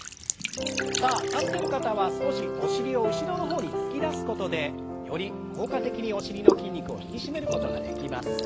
さあ立ってる方は少しお尻を後ろの方に突き出すことでより効果的にお尻の筋肉を引き締めることができます。